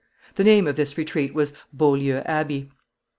The name of this retreat was Beaulieu Abbey.